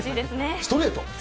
ストレート。